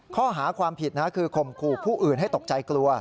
ข้อหาความผิดคือข่มขู่ผู้อื่นให้ตกใจกลัว